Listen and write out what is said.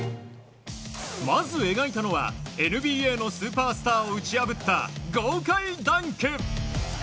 まず描いたのはＮＢＡのスーパースターを打ち破った豪快ダンク。